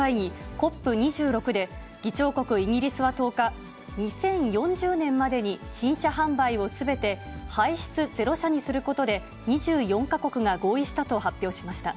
ＣＯＰ２６で、議長国、イギリスは１０日、２０４０年までに新車販売をすべて排出ゼロ車にすることで２４か国が合意したと発表しました。